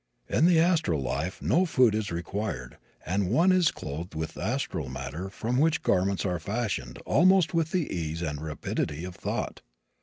In the astral life no food is required and one is clothed with astral matter from which garments are fashioned almost with the ease and rapidity of thought.